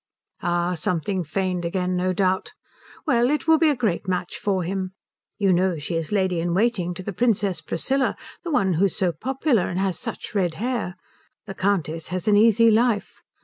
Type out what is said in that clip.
"Ah, something feigned again, no doubt. Well, it will be a great match for him. You know she is lady in waiting to the Princess Priscilla, the one who is so popular and has such red hair? The Countess has an easy life.